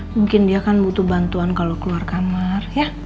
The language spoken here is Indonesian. mungkin dia kan butuh bantuan kalau keluar kamar ya